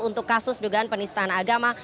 untuk kasus dugaan penistaan agama